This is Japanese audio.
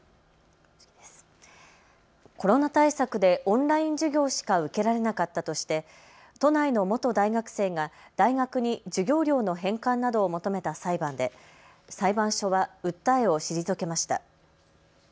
コロナ対策でオンライン授業しか受けられなかったとして都内の元大学生が大学に授業料の返還などを求めた裁判で裁判所は訴えを退けました。